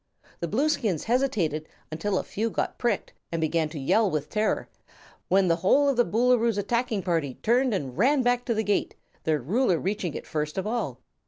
The Blueskins hesitated until a few got pricked and began to yell with terror, when the whole of the Boolooroo's attacking party turned and ran back to the gate, their Ruler reaching it first of all.